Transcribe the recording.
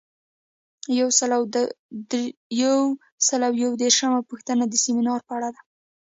یو سل او یو دیرشمه پوښتنه د سمینار په اړه ده.